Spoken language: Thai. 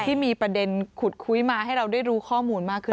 ที่มีประเด็นขุดคุยมาให้เราได้รู้ข้อมูลมากขึ้น